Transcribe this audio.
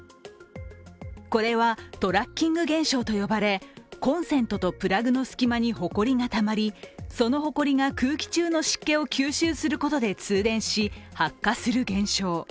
これはトラッキング現象と呼ばれコンセントとプラグの隙間にほこりがたまりそのほこりが空気中の湿気を吸収することで通電し発火する現象。